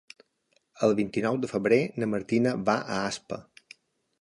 El vint-i-nou de febrer na Martina va a Aspa.